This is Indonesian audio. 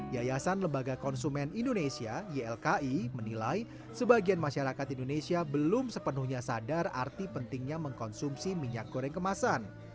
yayasan lembaga konsumen indonesia ylki menilai sebagian masyarakat indonesia belum sepenuhnya sadar arti pentingnya mengkonsumsi minyak goreng kemasan